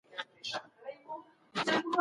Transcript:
آستين راني د حکومت کولو په اړه روښانه نظر لري.